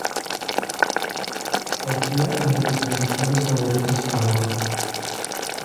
Partía entre los principales favoritos al oro.